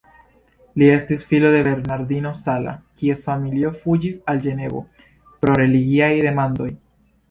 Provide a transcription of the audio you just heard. Li estis filo de Bernardino Sala, kies familio fuĝis al Ĝenevo pro religiaj demandoj.